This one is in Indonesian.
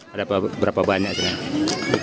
ada berapa banyak sebenarnya